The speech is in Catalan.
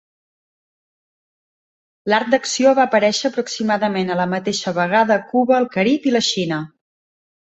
L'art d'acció va aparèixer aproximadament a la mateixa vegada a Cuba, el Carib i la Xina.